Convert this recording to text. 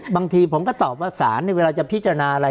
บางทีผมก็ตอบว่าสารเวลาจะพิจารณาอะไร